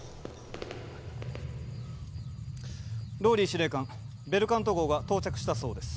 ＲＯＬＬＹ司令官ベルカント号が到着したそうです。